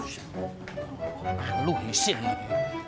kau pahlu nisir